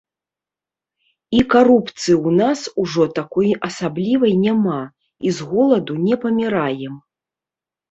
І карупцыі ў нас ужо такой асаблівай няма, і з голаду не паміраем.